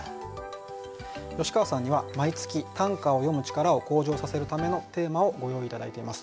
吉川さんには毎月短歌を詠む力を向上させるためのテーマをご用意頂いています。